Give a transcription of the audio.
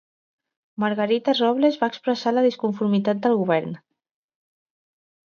Margarita Robles va expressar la disconformitat del govern